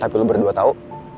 tapi lu berdua tau